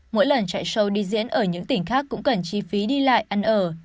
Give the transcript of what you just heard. mỗi lần chạy show đi diễn ở những tỉnh khác cũng cần chi phí đi lại ăn ở